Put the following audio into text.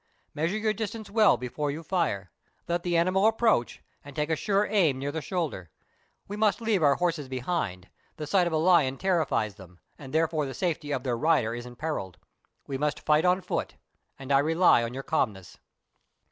Measure your distance well before you fire ; let the animal approach, and take a sure aim near the shoulder. We must leave our horses behind ; the sight of a lion terrifies them, and therefore tlie safety of their rider is imperilled. We must fight on foot, and I rely on your calmness."